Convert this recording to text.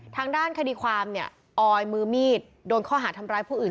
ทางด้านคดีความเนี่ยออยมือมีดโดนข้อหาทำร้ายผู้อื่น